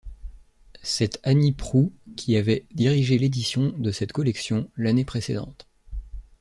C'est Annie Proulx qui avait dirigé l'édition de cette collection l'année précédente.